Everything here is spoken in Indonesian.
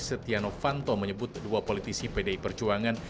setia novanto menyebut dua politisi pdi perjuangan